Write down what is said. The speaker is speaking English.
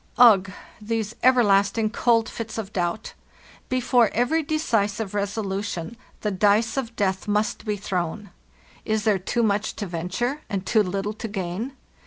"Ugh! These everlasting cold fits of doubt! Be fore every decisive resolution the dice of death must be thrown. Is there too much to venture, and too little to gain?